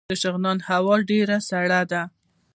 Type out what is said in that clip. د شغنان هوا ډیره سړه ده